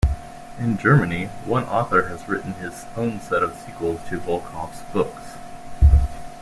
In Germany, one author has written his own set of sequels to Volkov's books.